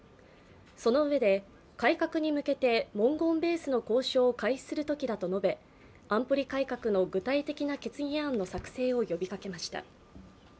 そのうえで、改革に向けて文言ベースの交渉を開始する時だと述べ安保理改革の具体的な決議案の作成を呼びかけました。